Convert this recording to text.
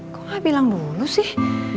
kok ah bilang dulu sih